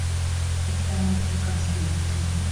একটা না একটা কাজ লেগেই থাকে।